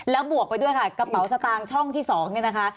แล้วบวกไปด้วยค่ะกระเป๋าสตางค์ช่องที่๒เนี่ยนะคะ